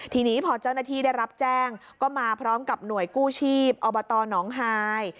ทีนี้พอเจ้าหน้าที่ได้รับแจ้งก็มาพร้อมกับหน่วยกู้ชีพอบตหนองฮาย